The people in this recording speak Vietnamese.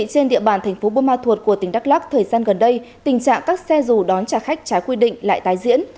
trên địa bàn thành phố bôn ma thuột của tỉnh đắk lắc thời gian gần đây tình trạng các xe dù đón trả khách trái quy định lại tái diễn